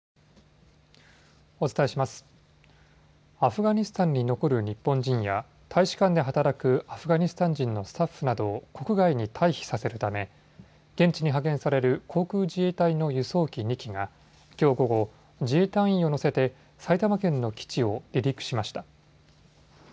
アフガニスタンに残る日本人や大使館で働くアフガニスタン人のスタッフなどを国外に退避させるため現地に派遣される航空自衛隊の輸送機２機がきょう午後、自衛隊員を乗せて埼玉県の基地を離陸しました。